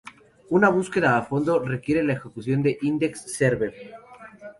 Una búsqueda a fondo requiere la ejecución de Index Server.